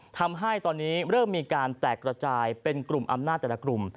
ทำให้ตอนนี้เริ่มมีการแตกระจายเป็นกลุ่มอำนาจแต่ละกลุ่ม